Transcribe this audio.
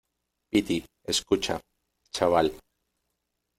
piti, escucha , chaval.